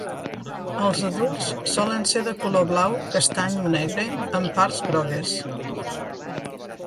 Els adults solen ser de color blau, castany o negre amb parts grogues.